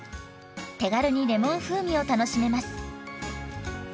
手軽にレモン風味を楽しめます。